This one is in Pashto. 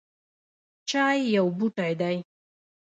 چای یو بوټی دی